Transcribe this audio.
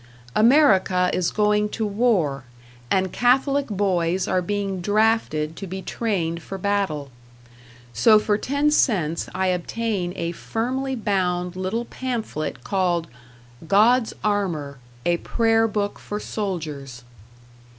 America is going to war, and Catholic boys are being drafted to be trained for battle; so for ten cents I obtain a firmly bound little pamphlet called "God's Armor, a Prayer Book for Soldiers."